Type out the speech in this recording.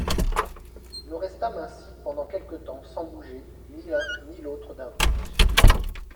Nous restâmes ainsi pendant quelque temps sans bouger ni l'un ni l'autre d'un pouce.